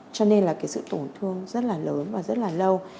cho nên là cái sự tổn thương rất là lớn và rất là lâu